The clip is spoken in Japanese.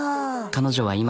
彼女は今。